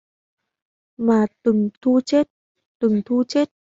Mà từng thu chết, từng thu chết